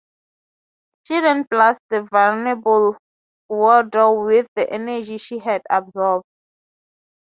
She then blasts the vulnerble Guido with the energy she had absorbed.